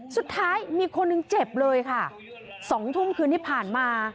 สุดท้ายมีคนหนึ่งเจ็บเลยค่ะ๒ทุ่มคืนที่ผ่านมา